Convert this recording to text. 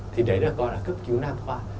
thì đấy được coi là cấp cứu nam khoa